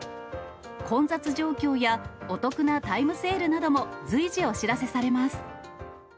混雑状況やお得なタイムセールなども随時、お知らせされます。